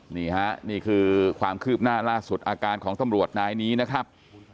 นี่ฮะนี่คือความคืบหน้าล่าสุดอาการของตำรวจนายนี้นะครับ